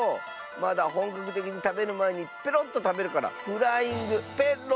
まだほんかくてきにたべるまえにペロッとたべるから「フライングペッロ」というわけじゃな。